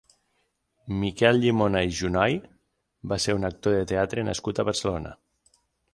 Miquel Llimona i Junoy va ser un actor de teatre nascut a Barcelona.